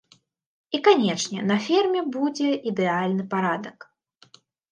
І канечне, на ферме будзе ідэальны парадак.